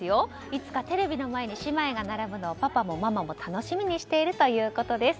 いつかテレビの前で姉妹が並ぶのをパパとママは楽しみにしているそうです。